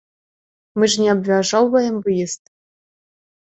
Мы ж не абмяжоўваем выезд!